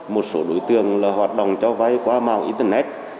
một số đối tượng là hoạt động cho vay qua mạng internet